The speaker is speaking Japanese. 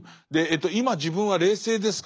「今自分は冷静ですか？